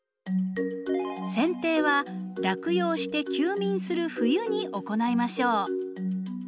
せん定は落葉して休眠する冬に行いましょう。